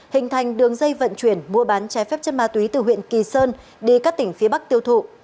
hình thành đường dây vận chuyển mua bán trái phép chất ma túy từ huyện kỳ sơn đi các tỉnh phía bắc tiêu thụ